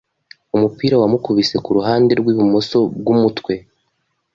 Umupira wamukubise kuruhande rwibumoso bwumutwe.